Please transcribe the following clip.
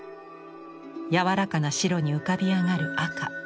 柔らかな白に浮かび上がる赤。